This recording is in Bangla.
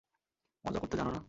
মজা করতে জানো না?